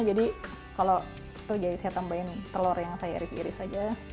jadi kalau itu jadi saya tambahin telur yang saya iris iris aja